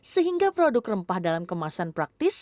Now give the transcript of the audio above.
sehingga produk rempah dalam kemasan praktis